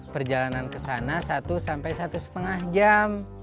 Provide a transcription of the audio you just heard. perjalanan ke sana satu sampai satu lima jam